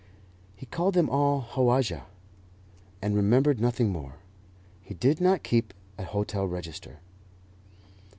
He called them all "Howajja," and remembered nothing more. He did not keep an hotel register.